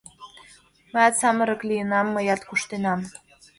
Мыят самырык лийынам, мыят куштенам.